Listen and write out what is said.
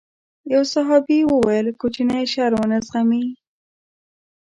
يو صحابي وويل کوچنی شر ونه زغمي.